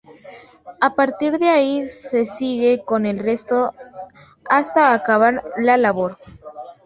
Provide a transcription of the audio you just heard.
A partir de ahí, se sigue con el resto hasta acabar la labor.